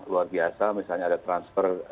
luar biasa misalnya ada transfer